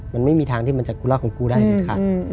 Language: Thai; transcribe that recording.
มันไม่มีทางที่มันจะกูรักของกูได้ค่ะ